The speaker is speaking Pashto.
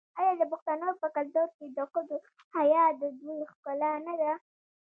آیا د پښتنو په کلتور کې د ښځو حیا د دوی ښکلا نه ده؟